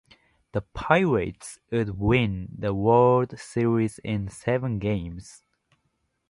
The Pirates would win the World Series in seven games.